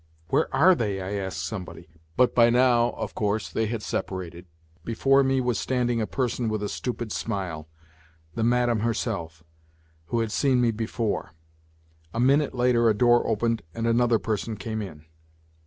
" Where are they ?" I asked somebody. But by now, of course, they had separated. Before me was standing a person with a stupid smile, the " madam " herself, who had seen me before. A minute later a door opened and another person came in.